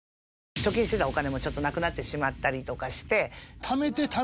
貯金してたお金もちょっとなくなってしまったりとかして。